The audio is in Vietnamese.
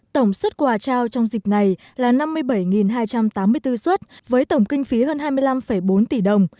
tổng xuất quà trao trong dịp này là năm mươi bảy hai trăm tám mươi bốn xuất với tổng kinh phí hơn hai mươi năm bốn tỷ đồng